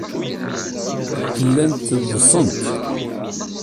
Llant ḍḍsent.